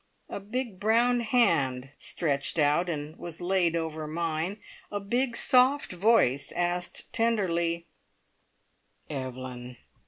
A big brown hand stretched out and was laid over mine; a big soft voice asked tenderly: "_Evelyn!